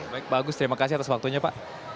baik pak agus terima kasih atas waktunya pak